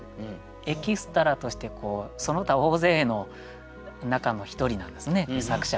エキストラとしてその他大勢の中の一人なんですね作者は。